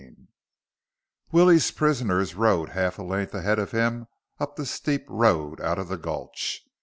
XX Willie's prisoners rode half a length ahead of him up the steep road out of the gulch.